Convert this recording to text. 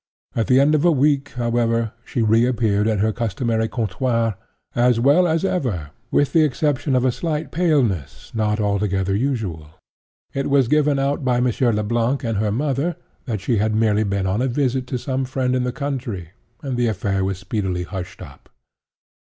At the end of a week, however, she re appeared at her customary comptoir, as well as ever, with the exception of a slight paleness not altogether usual. It was given out by Monsieur Le Blanc and her mother, that she had merely been on a visit to some friend in the country; and the affair was speedily hushed up.